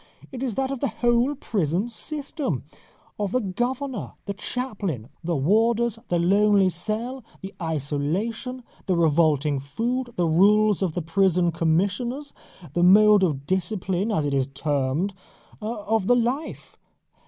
It is that of the whole prison system of the governor, the chaplain, the warders, the lonely cell, the isolation, the revolting food, the rules of the Prison Commissioners, the mode of discipline as it is termed, of the life.